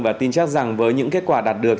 và tin chắc rằng với những kết quả đạt được